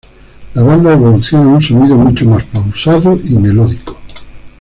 La banda evoluciona a un sonido mucho más pausado y melódico.